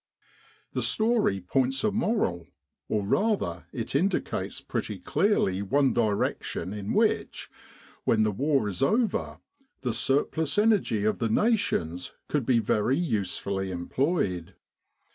The story points a moral or rather it indicates pretty clearly one direction in which, when the war is over, the surplus energy of the nations could be very usefully employed.